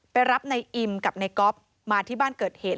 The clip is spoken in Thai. รับในอิมกับนายก๊อฟมาที่บ้านเกิดเหตุ